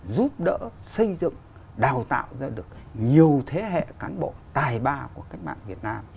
giúp đỡ xây dựng đào tạo ra được nhiều thế hệ cán bộ tài ba của cách mạng việt nam